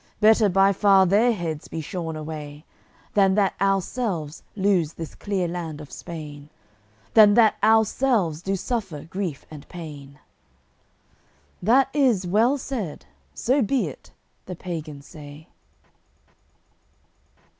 Better by far their heads be shorn away, Than that ourselves lose this clear land of Spain, Than that ourselves do suffer grief and pain." "That is well said. So be it." the pagans say.